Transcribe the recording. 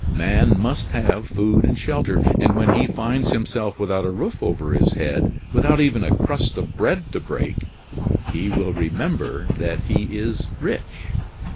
Man must have food and shelter, and when he finds himself without a roof over his head, without even a crust of bread to break, he will remember that he is rich.